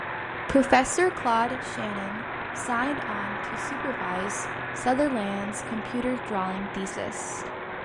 Professor Claude Shannon signed on to supervise Sutherland's computer drawing thesis.